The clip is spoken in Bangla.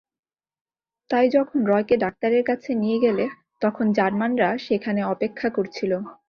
তাই যখন রয়কে ডাক্তারের কাছে নিয়ে গেলে, তখন জার্মানরা সেখানে অপেক্ষা করছিল।